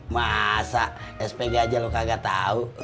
masa spg aja lo kagak tahu